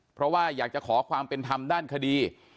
เพราะว่าอยากจะขอความเป็นธรรมด้านคดี